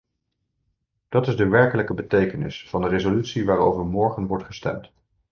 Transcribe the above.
Dat is de werkelijke betekenis van de resolutie waarover morgen wordt gestemd.